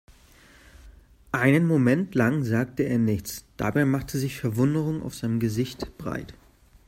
Einen Moment lang sagte er nichts, dabei machte sich Verwunderung auf seinem Gesicht breit.